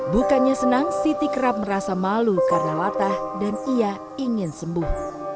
bukannya senang siti kerap merasa malu karena latah dan ia ingin sembuh